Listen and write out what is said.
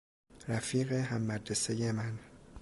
رفیق هم مدرسهی من